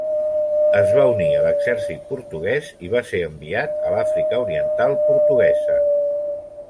Es va unir a l'Exèrcit Portuguès i va ser enviat a l'Àfrica Oriental Portuguesa.